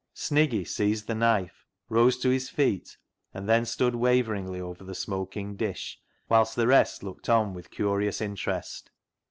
Sniggy seized the knife, rose to his feet, and then stood waveringly over the smoking dish, whilst the rest looked on with curious interest.